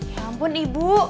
ya ampun ibu